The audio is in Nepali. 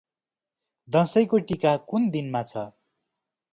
दसैँको टीका कुन दिन मा छ?